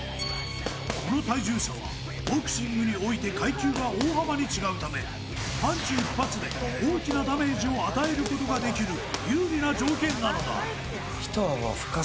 この体重差はボクシングにおいて階級が大幅に違うためパンチ１発で大きなダメージを与えることができる有利な条件なのだ。